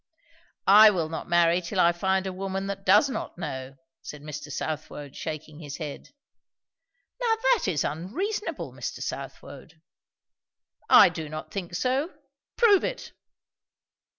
"I will not marry till I find a woman that does not know," said Mr. Southwode shaking his head. "Now that is unreasonable, Mr. Southwode." "I do not think so. Prove it."